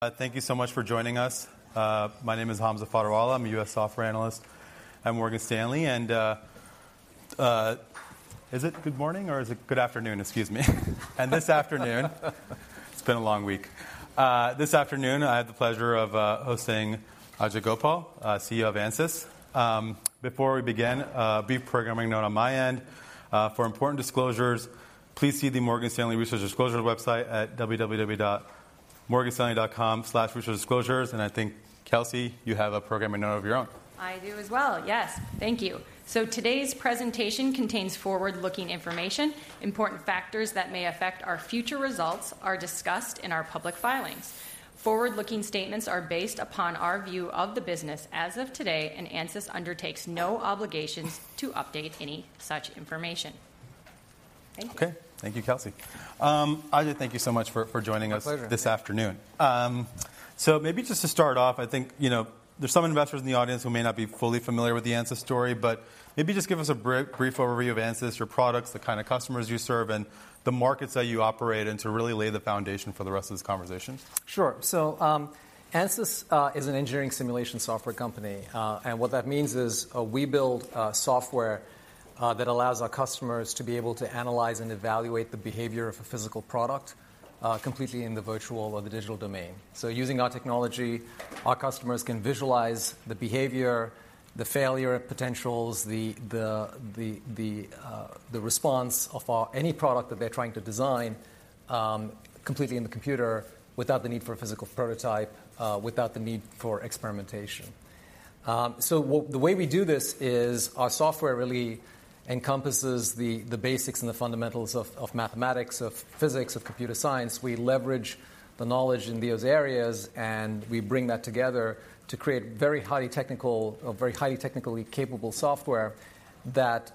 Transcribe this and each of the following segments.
Thank you so much for joining us. My name is Hamza Fodderwala. I'm a U.S. software analyst at Morgan Stanley, and, is it good morning or is it good afternoon? Excuse me. And this afternoon. It's been a long week. This afternoon, I have the pleasure of hosting Ajei Gopal, CEO of Ansys. Before we begin, a brief programming note on my end. For important disclosures, please see the Morgan Stanley Research Disclosure website at www.morganstanley.com/researchdisclosures. And I think, Kelsey, you have a programming note of your own. I do as well. Yes. Thank you. So today's presentation contains forward-looking information. Important factors that may affect our future results are discussed in our public filings. Forward-looking statements are based upon our view of the business as of today, and Ansys undertakes no obligations to update any such information. Thank you. Okay. Thank you, Kelsey. Ajei, thank you so much for joining us- My pleasure. This afternoon. So maybe just to start off, I think, you know, there's some investors in the audience who may not be fully familiar with the Ansys story, but maybe just give us a brief overview of Ansys, your products, the kind of customers you serve, and the markets that you operate in, to really lay the foundation for the rest of this conversation. Sure. So, Ansys is an engineering simulation software company. And what that means is, we build software that allows our customers to be able to analyze and evaluate the behavior of a physical product completely in the virtual or the digital domain. So using our technology, our customers can visualize the behavior, the failure potentials, the response of any product that they're trying to design completely in the computer, without the need for a physical prototype, without the need for experimentation. The way we do this is our software really encompasses the basics and the fundamentals of mathematics, of physics, of computer science. We leverage the knowledge in those areas, and we bring that together to create very highly technical, very highly technically capable software that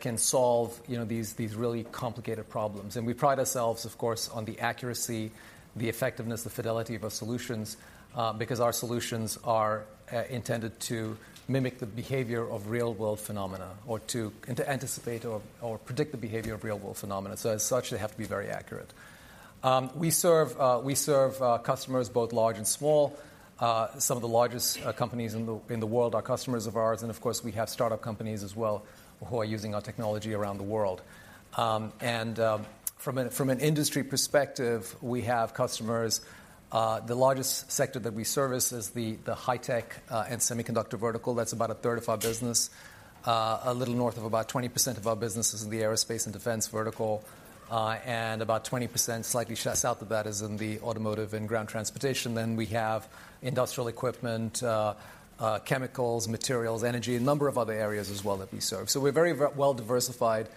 can solve, you know, these really complicated problems. And we pride ourselves, of course, on the accuracy, the effectiveness, the fidelity of our solutions, because our solutions are intended to mimic the behavior of real-world phenomena or to anticipate or predict the behavior of real-world phenomena. So as such, they have to be very accurate. We serve customers both large and small. Some of the largest companies in the world are customers of ours, and of course, we have startup companies as well, who are using our technology around the world. From an industry perspective, we have customers... The largest sector that we service is the high-tech and semiconductor vertical. That's about a third of our business. A little north of about 20% of our business is in the aerospace and defense vertical, and about 20%, slightly south of that, is in the automotive and ground transportation. We have industrial equipment, chemicals, materials, energy, a number of other areas as well that we serve. We're very well diversified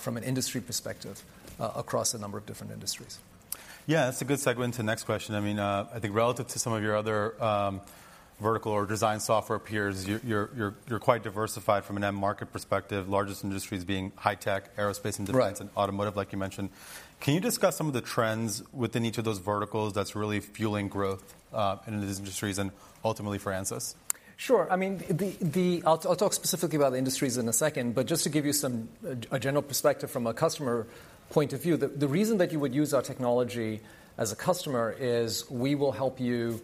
from an industry perspective across a number of different industries. Yeah, that's a good segue into the next question. I mean, I think relative to some of your other vertical or design software peers, you're quite diversified from an end market perspective, largest industries being high tech, aerospace and defense- Right. And automotive, like you mentioned. Can you discuss some of the trends within each of those verticals that's really fueling growth in these industries and ultimately for Ansys? Sure. I mean, the... I'll talk specifically about the industries in a second, but just to give you some, a general perspective from a customer point of view, the reason that you would use our technology as a customer is we will help you.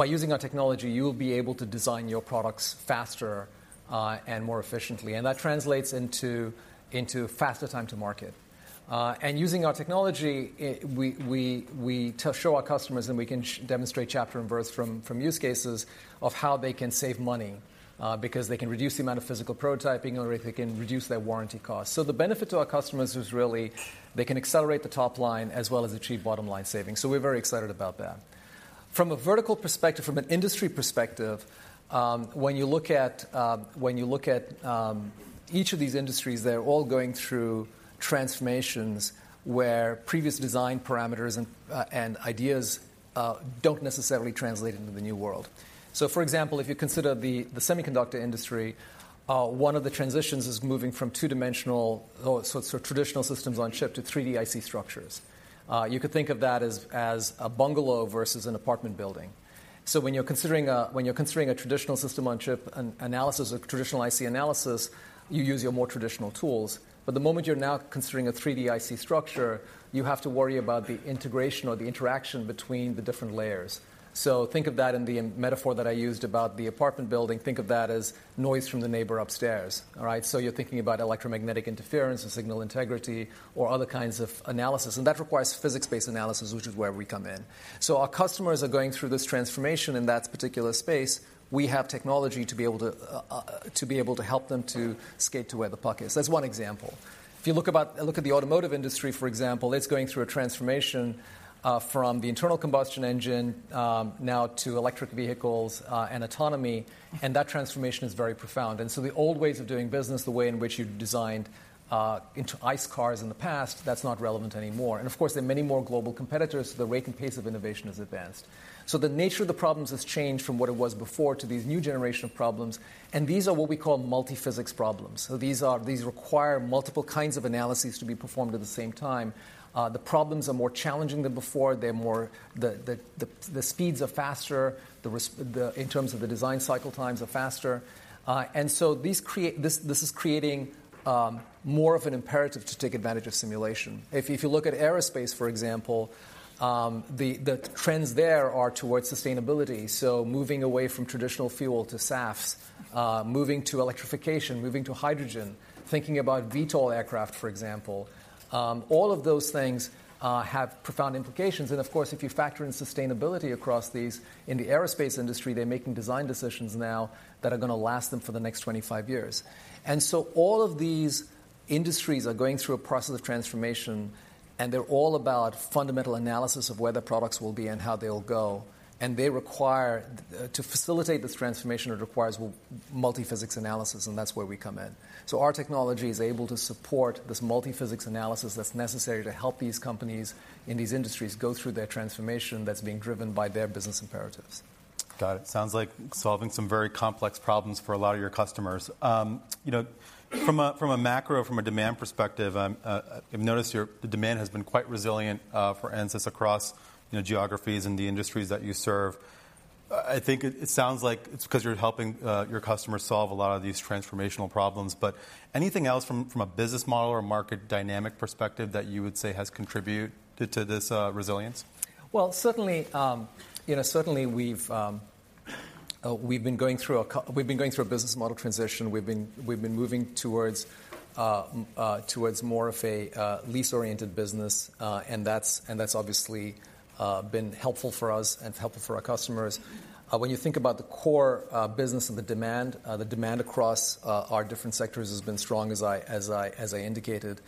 By using our technology, you'll be able to design your products faster, and more efficiently, and that translates into faster time to market. And using our technology, we show our customers, and we can demonstrate chapter and verse from use cases of how they can save money, because they can reduce the amount of physical prototyping or they can reduce their warranty costs. So the benefit to our customers is really they can accelerate the top line as well as achieve bottom-line savings. So we're very excited about that. From a vertical perspective, from an industry perspective, when you look at each of these industries, they're all going through transformations where previous design parameters and ideas don't necessarily translate into the new world. So for example, if you consider the semiconductor industry, one of the transitions is moving from two-dimensional, so traditional systems-on-chip to 3D IC structures. You could think of that as a bungalow versus an apartment building. So when you're considering a traditional system-on-chip analysis or traditional IC analysis, you use your more traditional tools. But the moment you're now considering a 3D IC structure, you have to worry about the integration or the interaction between the different layers. So think of that in the metaphor that I used about the apartment building, think of that as noise from the neighbor upstairs. All right? So you're thinking about electromagnetic interference and signal integrity or other kinds of analysis, and that requires physics-based analysis, which is where we come in. So our customers are going through this transformation in that particular space. We have technology to be able to help them to skate to where the puck is. That's one example. If you look at the automotive industry, for example, it's going through a transformation, from the internal combustion engine, now to electric vehicles, and autonomy, and that transformation is very profound. And so the old ways of doing business, the way in which you designed, ICE cars in the past, that's not relevant anymore. Of course, there are many more global competitors, so the rate and pace of innovation has advanced. So the nature of the problems has changed from what it was before to these new generation of problems. And these are what we call multiphysics problems. So these are, these require multiple kinds of analyses to be performed at the same time. The problems are more challenging than before. They're more. The speeds are faster, in terms of the design cycle times are faster. And so this is creating more of an imperative to take advantage of simulation. If you look at aerospace, for example, the trends there are towards sustainability, so moving away from traditional fuel to SAFs, moving to electrification, moving to hydrogen, thinking about VTOL aircraft, for example. All of those things have profound implications, and of course, if you factor in sustainability across these, in the aerospace industry, they're making design decisions now that are gonna last them for the next 25 years. And so all of these industries are going through a process of transformation, and they're all about fundamental analysis of where the products will be and how they'll go. And they require to facilitate this transformation, it requires multiphysics analysis, and that's where we come in. So our technology is able to support this multiphysics analysis that's necessary to help these companies in these industries go through their transformation that's being driven by their business imperatives. Got it. Sounds like solving some very complex problems for a lot of your customers. You know, from a macro demand perspective, I've noticed the demand has been quite resilient for Ansys across, you know, geographies and the industries that you serve. I think it sounds like it's 'cause you're helping your customers solve a lot of these transformational problems. But anything else from a business model or market dynamic perspective that you would say has contributed to this resilience? Well, certainly, you know, certainly we've been going through a business model transition. We've been moving towards more of a lease-oriented business, and that's obviously been helpful for us and helpful for our customers. When you think about the core business and the demand, the demand across our different sectors has been strong, as I indicated.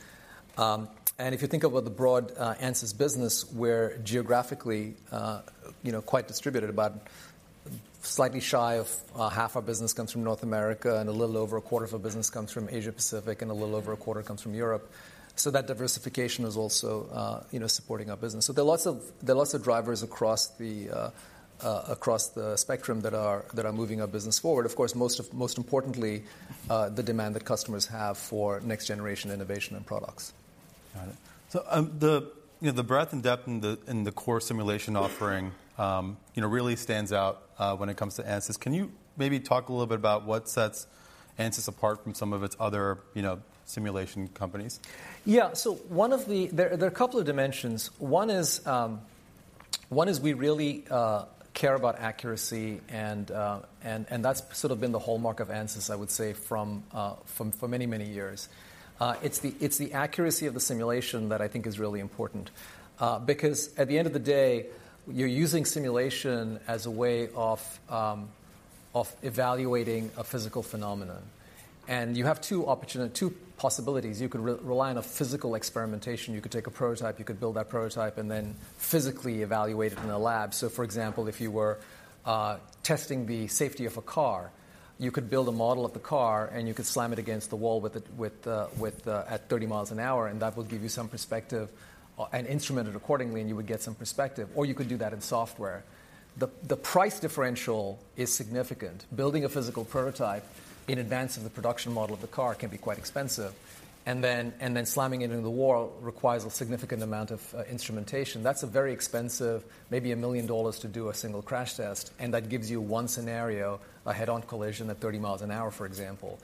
And if you think about the broad Ansys business, we're geographically, you know, quite distributed. About slightly shy of half our business comes from North America, and a little over a quarter of our business comes from Asia-Pacific, and a little over a quarter comes from Europe. So that diversification is also, you know, supporting our business. So there are lots of, there are lots of drivers across the, across the spectrum that are, that are moving our business forward. Of course, most, most importantly, the demand that customers have for next-generation innovation and products. Got it. So, you know, the breadth and depth in the core simulation offering, you know, really stands out when it comes to Ansys. Can you maybe talk a little bit about what sets Ansys apart from some of its other, you know, simulation companies? Yeah. So one of the... There, there are a couple of dimensions. One is, one is we really care about accuracy, and, and, and that's sort of been the hallmark of Ansys, I would say, from for many, many years. It's the accuracy of the simulation that I think is really important, because at the end of the day, you're using simulation as a way of, of evaluating a physical phenomenon. And you have two two possibilities. You could rely on a physical experimentation. You could take a prototype, you could build that prototype, and then physically evaluate it in a lab. So, for example, if you were testing the safety of a car, you could build a model of the car, and you could slam it against the wall at 30 miles an hour, and that will give you some perspective, and instrument it accordingly, and you would get some perspective, or you could do that in software. The price differential is significant. Building a physical prototype in advance of the production model of the car can be quite expensive, and then slamming it into the wall requires a significant amount of instrumentation. That's a very expensive, maybe $1 million to do a single crash test, and that gives you one scenario, a head-on collision at 30 miles an hour, for example.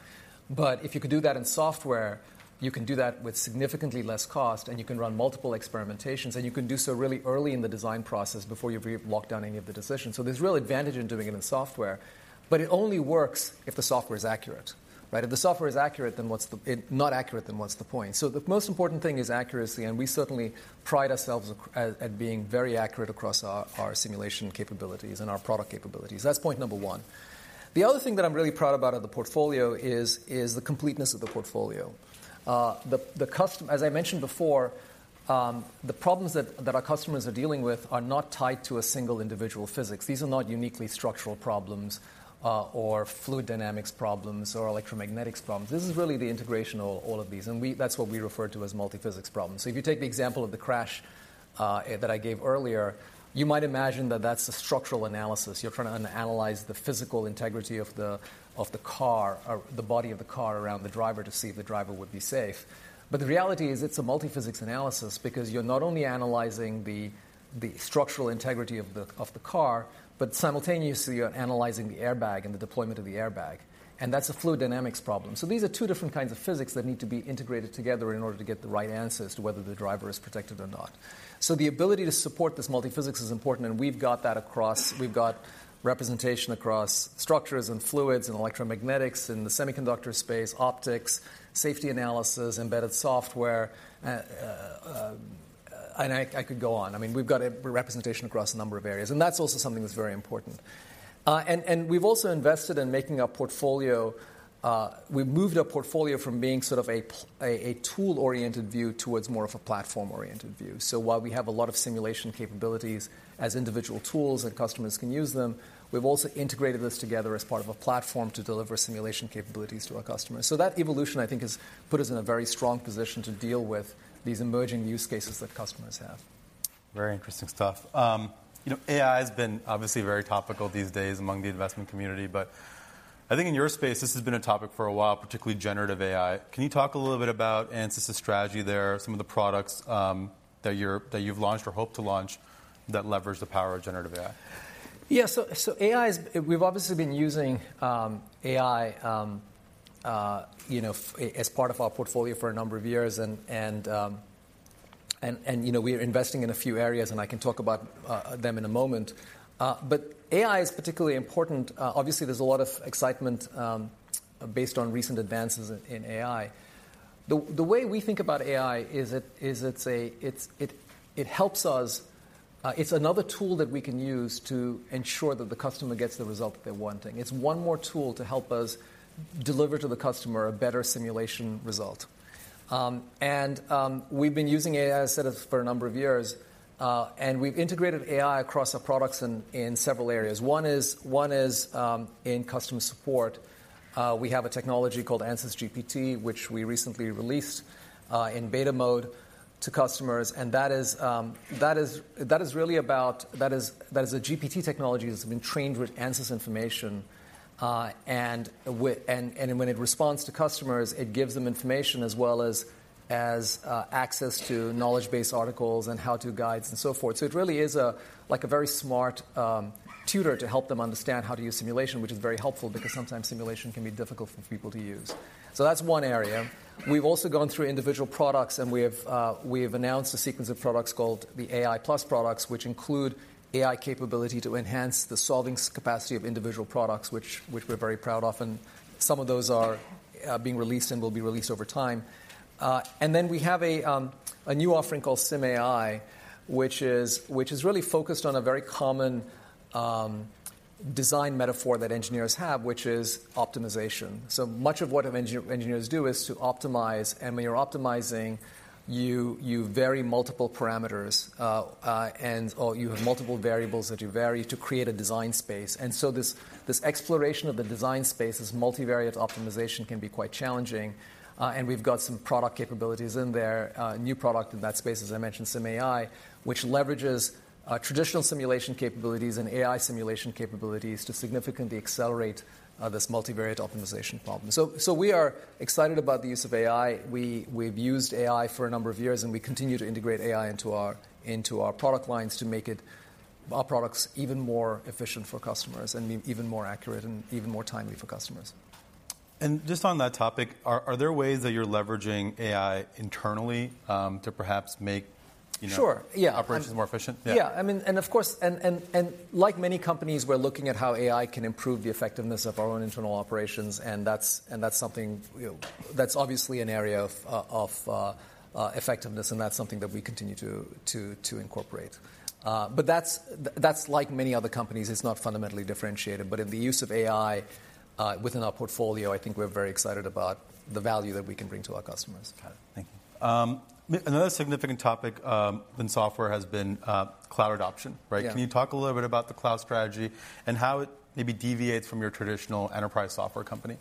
But if you could do that in software, you can do that with significantly less cost, and you can run multiple experimentations, and you can do so really early in the design process before you've locked down any of the decisions. So there's real advantage in doing it in software, but it only works if the software is accurate, right? If the software is accurate, then what's the not accurate, then what's the point? So the most important thing is accuracy, and we certainly pride ourselves at being very accurate across our simulation capabilities and our product capabilities. That's point number one. The other thing that I'm really proud about in the portfolio is the completeness of the portfolio. As I mentioned before, the problems that our customers are dealing with are not tied to a single individual physics. These are not uniquely structural problems, or fluid dynamics problems or electromagnetics problems. This is really the integration of all of these, and that's what we refer to as multi-physics problems. So if you take the example of the crash that I gave earlier, you might imagine that that's a structural analysis. You're trying to analyze the physical integrity of the, of the car or the body of the car around the driver to see if the driver would be safe. But the reality is it's a multi-physics analysis because you're not only analyzing the, the structural integrity of the, of the car, but simultaneously, you're analyzing the airbag and the deployment of the airbag, and that's a fluid dynamics problem. So these are two different kinds of physics that need to be integrated together in order to get the right answer as to whether the driver is protected or not. So the ability to support this multi-physics is important, and we've got that across. We've got representation across structures and fluids and electromagnetics in the semiconductor space, optics, safety analysis, embedded software, and I could go on. I mean, we've got a representation across a number of areas, and that's also something that's very important. And we've also invested in making our portfolio. We've moved our portfolio from being sort of a tool-oriented view towards more of a platform-oriented view. While we have a lot of simulation capabilities as individual tools, and customers can use them, we've also integrated this together as part of a platform to deliver simulation capabilities to our customers. That evolution, I think, has put us in a very strong position to deal with these emerging use cases that customers have. Very interesting stuff. You know, AI has been obviously very topical these days among the investment community, but I think in your space, this has been a topic for a while, particularly generative AI. Can you talk a little bit about Ansys's strategy there, some of the products that you've launched or hope to launch that leverage the power of generative AI? Yeah. So AI is, we've obviously been using AI, you know, as part of our portfolio for a number of years, you know, we are investing in a few areas, and I can talk about them in a moment. But AI is particularly important. Obviously, there's a lot of excitement based on recent advances in AI. The way we think about AI is it's another tool that we can use to ensure that the customer gets the result that they're wanting. It's one more tool to help us deliver to the customer a better simulation result. And we've been using AI, as I said, for a number of years, and we've integrated AI across our products in several areas. One is in customer support. We have a technology called AnsysGPT, which we recently released in beta mode to customers, and that is really about. That is a GPT technology that's been trained with Ansys information. And when it responds to customers, it gives them information as well as access to knowledge-based articles and how-to guides and so forth. So it really is a, like a very smart tutor to help them understand how to use simulation, which is very helpful because sometimes simulation can be difficult for people to use. So that's one area. We've also gone through individual products, and we have announced a sequence of products called the AI+ products, which include AI capability to enhance the solving capacity of individual products, which we're very proud of, and some of those are being released and will be released over time. And then we have a new offering called SimAI, which is really focused on a very common design metaphor that engineers have, which is optimization. So much of what engineers do is to optimize, and when you're optimizing, you vary multiple parameters, and or you have multiple variables that you vary to create a design space. And so this, this exploration of the design space, this multivariate optimization, can be quite challenging, and we've got some product capabilities in there, a new product in that space, as I mentioned, SimAI, which leverages traditional simulation capabilities and AI simulation capabilities to significantly accelerate this multivariate optimization problem. So, so we are excited about the use of AI. We've used AI for a number of years, and we continue to integrate AI into our, into our product lines to make it, our products even more efficient for customers and even more accurate and even more timely for customers. Just on that topic, are there ways that you're leveraging AI internally to perhaps make, you know- Sure, yeah... operations more efficient? Yeah. Yeah. I mean, and of course, like many companies, we're looking at how AI can improve the effectiveness of our own internal operations, and that's something, you know, that's obviously an area of effectiveness, and that's something that we continue to incorporate. But that's like many other companies, it's not fundamentally differentiated, but in the use of AI within our portfolio, I think we're very excited about the value that we can bring to our customers. Got it. Thank you. Another significant topic in software has been cloud adoption, right? Yeah. Can you talk a little bit about the cloud strategy and how it maybe deviates from your traditional enterprise software company?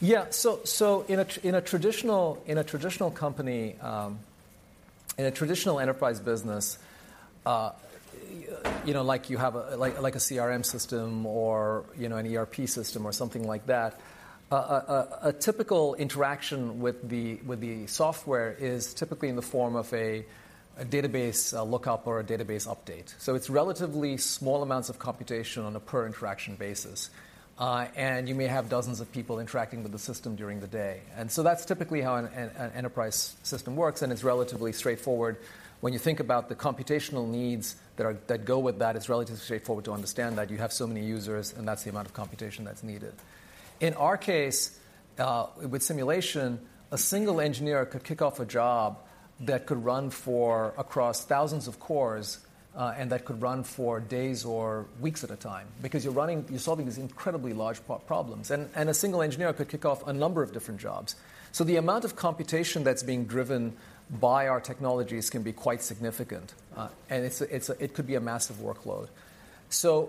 Yeah. So in a traditional company, in a traditional enterprise business, you know, like you have a CRM system or, you know, an ERP system or something like that, a typical interaction with the software is typically in the form of a database lookup or a database update. So it's relatively small amounts of computation on a per interaction basis, and you may have dozens of people interacting with the system during the day. And so that's typically how an enterprise system works, and it's relatively straightforward. When you think about the computational needs that are that go with that, it's relatively straightforward to understand that you have so many users, and that's the amount of computation that's needed. In our case, with simulation, a single engineer could kick off a job that could run for across thousands of cores, and that could run for days or weeks at a time. Because you're running you're solving these incredibly large problems, and a single engineer could kick off a number of different jobs. So the amount of computation that's being driven by our technologies can be quite significant, and it could be a massive workload. So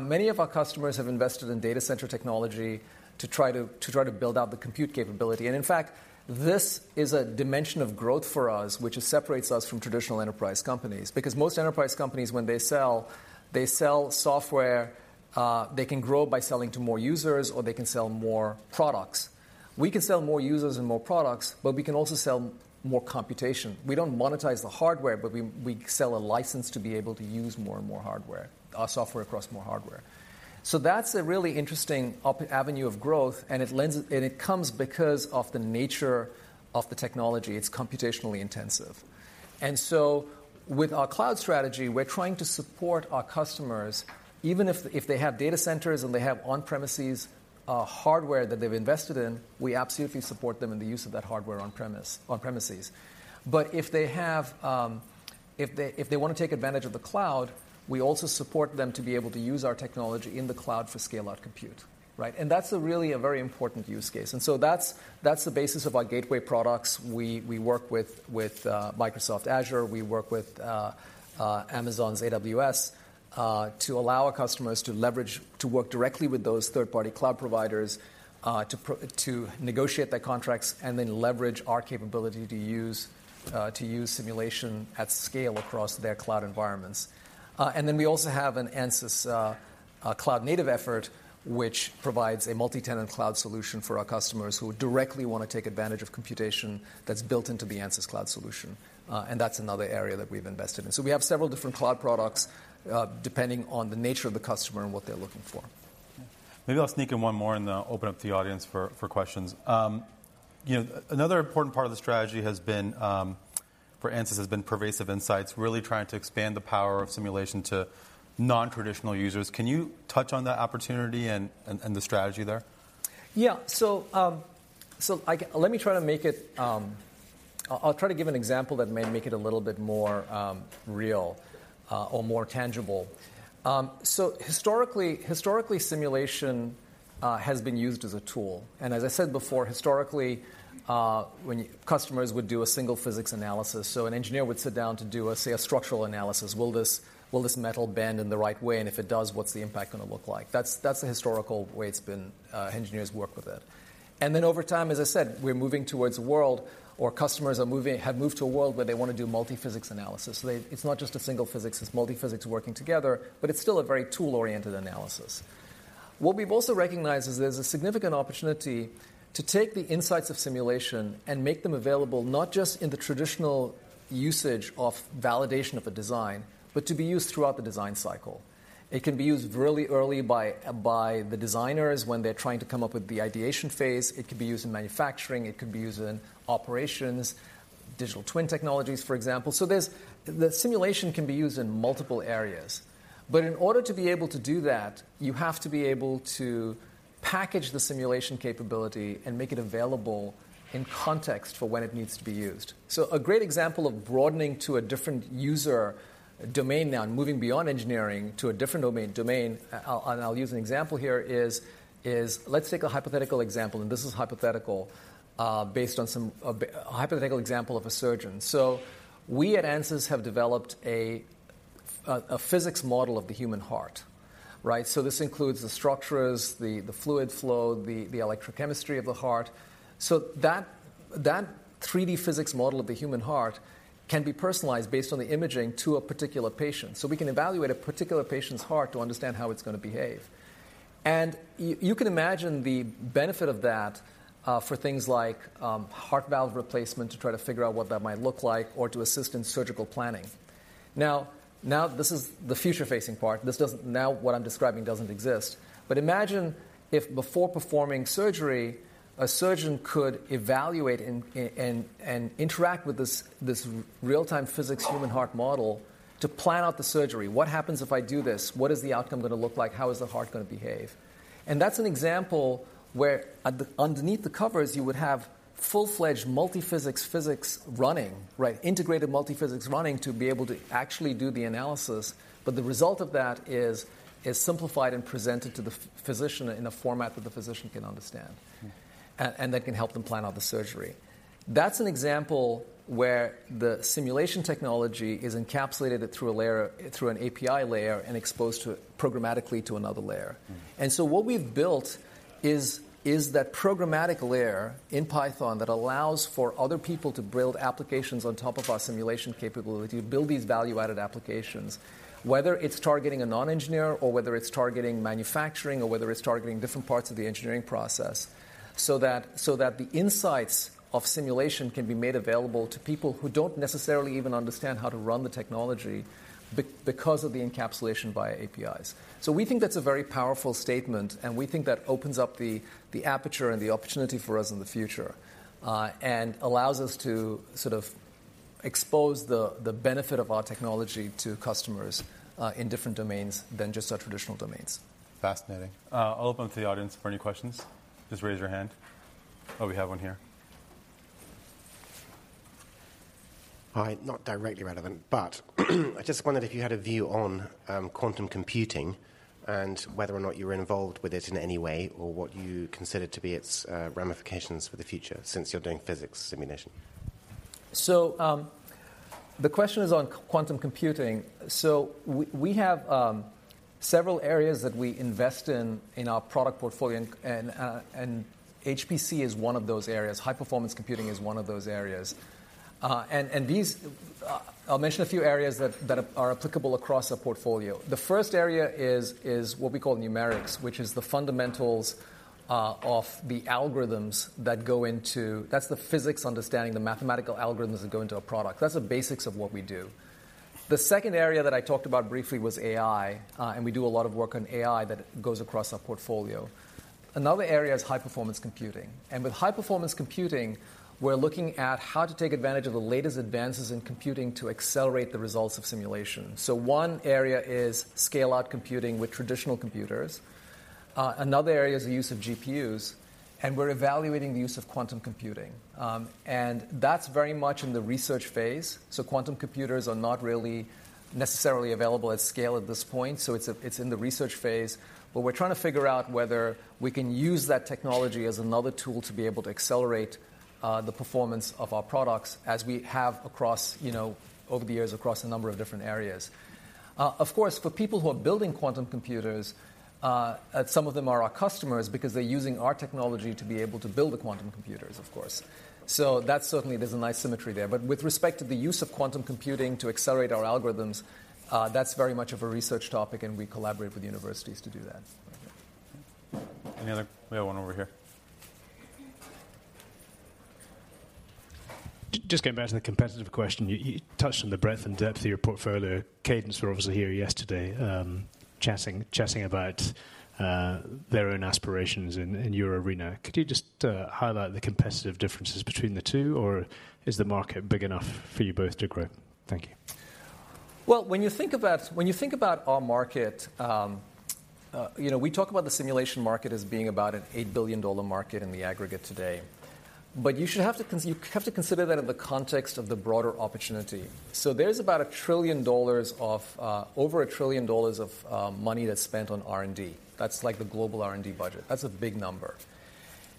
many of our customers have invested in data center technology to try to build out the compute capability. In fact, this is a dimension of growth for us, which separates us from traditional enterprise companies, because most enterprise companies, when they sell, they sell software. They can grow by selling to more users, or they can sell more products. We can sell more users and more products, but we can also sell more computation. We don't monetize the hardware, but we sell a license to be able to use more and more hardware, software across more hardware. So that's a really interesting avenue of growth, and it lends, and it comes because of the nature of the technology. It's computationally intensive. So with our cloud strategy, we're trying to support our customers, even if they have data centers and they have on-premises hardware that they've invested in, we absolutely support them in the use of that hardware on-premise, on-premises. But if they have, if they want to take advantage of the cloud, we also support them to be able to use our technology in the cloud for scale-out compute, right? And that's a really a very important use case. And so that's the basis of our gateway products. We work with Microsoft Azure, we work with Amazon's AWS to allow our customers to leverage, to work directly with those third-party cloud providers, to negotiate their contracts and then leverage our capability to use simulation at scale across their cloud environments. And then we also have an Ansys a cloud-native effort, which provides a multi-tenant cloud solution for our customers who directly wanna take advantage of computation that's built into the Ansys cloud solution. And that's another area that we've invested in. So we have several different cloud products, depending on the nature of the customer and what they're looking for. Maybe I'll sneak in one more and then open up the audience for questions. You know, another important part of the strategy has been, for Ansys, has been pervasive simulation, really trying to expand the power of simulation to non-traditional users. Can you touch on that opportunity and the strategy there? Yeah. So, let me try to make it... I'll try to give an example that may make it a little bit more real, or more tangible. So historically, simulation has been used as a tool, and as I said before, historically, when customers would do a single physics analysis, so an engineer would sit down to do, say, a structural analysis. Will this metal bend in the right way? And if it does, what's the impact gonna look like? That's the historical way it's been, engineers work with it. And then over time, as I said, we're moving towards a world or customers are moving, have moved to a world where they wanna do multiphysics analysis. So they, it's not just a single physics, it's multiphysics working together, but it's still a very tool-oriented analysis. What we've also recognized is there's a significant opportunity to take the insights of simulation and make them available, not just in the traditional usage of validation of a design, but to be used throughout the design cycle. It can be used really early by the designers when they're trying to come up with the ideation phase. It could be used in manufacturing, it could be used in operations, digital twin technologies, for example. So there's the simulation can be used in multiple areas, but in order to be able to do that, you have to be able to package the simulation capability and make it available in context for when it needs to be used. So a great example of broadening to a different user domain now and moving beyond engineering to a different domain and I'll use an example here is. Let's take a hypothetical example, and this is hypothetical, hypothetical example of a surgeon. So we at Ansys have developed a physics model of the human heart, right? So this includes the structures, the fluid flow, the electrochemistry of the heart. So that 3D physics model of the human heart can be personalized based on the imaging to a particular patient. So we can evaluate a particular patient's heart to understand how it's gonna behave. And you can imagine the benefit of that, for things like heart valve replacement, to try to figure out what that might look like or to assist in surgical planning. Now, this is the future-facing part. This doesn't. Now, what I'm describing doesn't exist. But imagine if before performing surgery, a surgeon could evaluate and interact with this real-time physics human heart model to plan out the surgery. What happens if I do this? What is the outcome gonna look like? How is the heart gonna behave? And that's an example where, underneath the covers, you would have full-fledged multiphysics physics running, right? Integrated multiphysics running to be able to actually do the analysis, but the result of that is simplified and presented to the physician in a format that the physician can understand. Mm. and that can help them plan out the surgery. That's an example where the simulation technology is encapsulated through a layer, through an API layer, and exposed programmatically to another layer. Mm. And so what we've built is that programmatic layer in Python that allows for other people to build applications on top of our simulation capability, build these value-added applications, whether it's targeting a non-engineer, or whether it's targeting manufacturing, or whether it's targeting different parts of the engineering process. So that the insights of simulation can be made available to people who don't necessarily even understand how to run the technology, because of the encapsulation via APIs. So we think that's a very powerful statement, and we think that opens up the aperture and the opportunity for us in the future, and allows us to sort of expose the benefit of our technology to customers in different domains than just our traditional domains. Fascinating. I'll open up to the audience for any questions. Just raise your hand. Oh, we have one here. Hi, not directly relevant, but I just wondered if you had a view on quantum computing and whether or not you were involved with it in any way, or what you consider to be its ramifications for the future since you're doing physics simulation? So, the question is on quantum computing. So we have several areas that we invest in in our product portfolio, and HPC is one of those areas. High-performance computing is one of those areas. And these, I'll mention a few areas that are applicable across our portfolio. The first area is what we call numerics, which is the fundamentals of the algorithms that go into... That's the physics understanding, the mathematical algorithms that go into a product. That's the basics of what we do. The second area that I talked about briefly was AI, and we do a lot of work on AI that goes across our portfolio. Another area is high-performance computing, and with high-performance computing, we're looking at how to take advantage of the latest advances in computing to accelerate the results of simulation. So one area is scale-out computing with traditional computers. Another area is the use of GPUs, and we're evaluating the use of quantum computing. And that's very much in the research phase, so quantum computers are not really necessarily available at scale at this point, so it's in the research phase. But we're trying to figure out whether we can use that technology as another tool to be able to accelerate the performance of our products, as we have across, you know, over the years, across a number of different areas. Of course, for people who are building quantum computers, some of them are our customers because they're using our technology to be able to build the quantum computers, of course. So that's certainly, there's a nice symmetry there. But with respect to the use of quantum computing to accelerate our algorithms, that's very much of a research topic, and we collaborate with universities to do that. Any other? We have one over here. Just getting back to the competitive question, you touched on the breadth and depth of your portfolio. Cadence were obviously here yesterday, chatting about their own aspirations in your arena. Could you just highlight the competitive differences between the two, or is the market big enough for you both to grow? Thank you. Well, when you think about, when you think about our market, you know, we talk about the simulation market as being about an $8 billion market in the aggregate today. But you have to consider that in the context of the broader opportunity. So there's about $1 trillion of, over $1 trillion of, money that's spent on R&D. That's like the global R&D budget. That's a big number.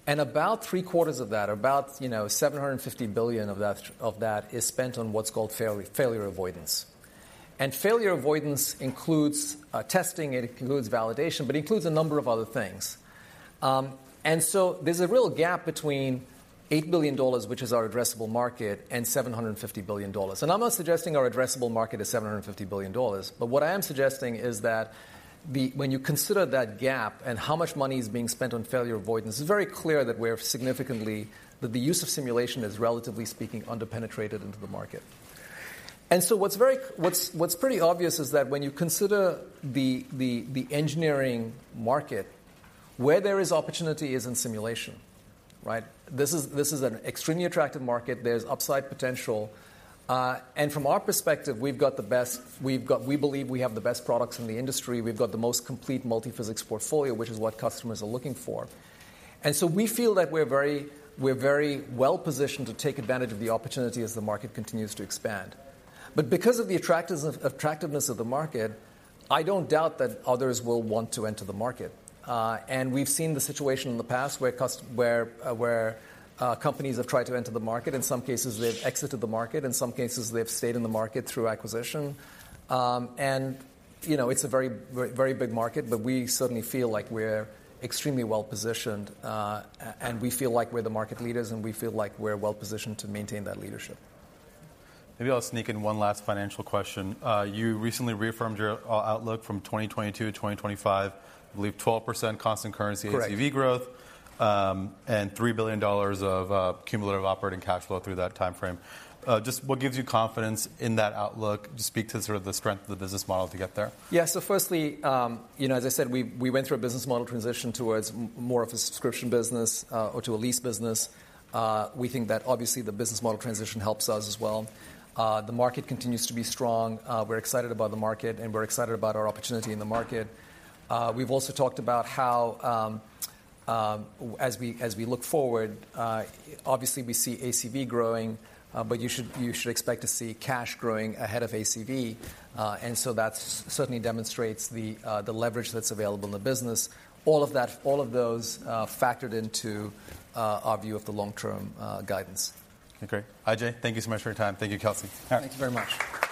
And about three-quarters of that, or about, you know, $750 billion of that, of that, is spent on what's called failure avoidance. And failure avoidance includes testing, it includes validation, but includes a number of other things. And so there's a real gap between $8 billion, which is our addressable market, and $750 billion. I'm not suggesting our addressable market is $750 billion, but what I am suggesting is that when you consider that gap and how much money is being spent on failure avoidance, it's very clear that the use of simulation is, relatively speaking, underpenetrated into the market. So what's pretty obvious is that when you consider the engineering market, where there is opportunity is in simulation, right? This is an extremely attractive market. There's upside potential. And from our perspective, we believe we have the best products in the industry. We've got the most complete multiphysics portfolio, which is what customers are looking for. And so we feel that we're very well positioned to take advantage of the opportunity as the market continues to expand. But because of the attractiveness of the market, I don't doubt that others will want to enter the market. And we've seen the situation in the past where companies have tried to enter the market. In some cases, they've exited the market. In some cases, they've stayed in the market through acquisition. And, you know, it's a very, very big market, but we certainly feel like we're extremely well positioned, and we feel like we're the market leaders, and we feel like we're well positioned to maintain that leadership. Maybe I'll sneak in one last financial question. You recently reaffirmed your outlook from 2022-2025, I believe 12% constant currency- Correct. ACV growth, and $3 billion of cumulative operating cash flow through that timeframe. Just what gives you confidence in that outlook? Just speak to sort of the strength of the business model to get there. Yeah. So firstly, you know, as I said, we went through a business model transition towards more of a subscription business, or to a lease business. We think that obviously the business model transition helps us as well. The market continues to be strong. We're excited about the market, and we're excited about our opportunity in the market. We've also talked about how, as we look forward, obviously, we see ACV growing, but you should expect to see cash growing ahead of ACV. And so that's certainly demonstrates the leverage that's available in the business. All of that, all of those, factored into our view of the long-term guidance. Okay. Ajei, thank you so much for your time. Thank you, Kelsey. All right. Thank you very much.